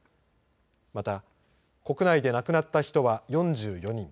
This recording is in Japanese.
また、国内で亡くなった人は４４人。